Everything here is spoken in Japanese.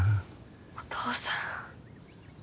お父さん。